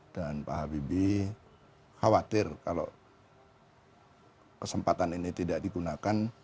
dan pak habibie khawatir kalau kesempatan ini tidak digunakan